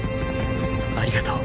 ありがとう。